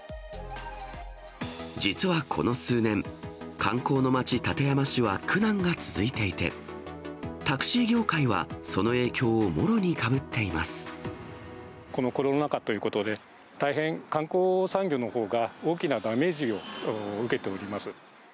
実はこの数年、観光の町、館山市は苦難が続いていて、タクシー業界はその影響をもろにこのコロナ禍ということで、大変観光産業のほうが、大きなダメージを受けております。